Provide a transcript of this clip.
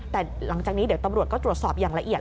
แต่หลังจากนี้เดี๋ยวตำรวจก็ตรวจสอบอย่างละเอียด